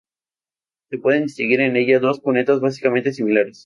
Se pueden distinguir en ella dos cubetas básicamente similares.